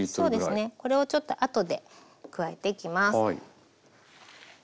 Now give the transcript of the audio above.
これをちょっとあとで加えていきます。